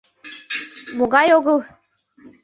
— Могай огыл!